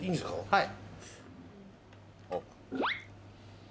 はい。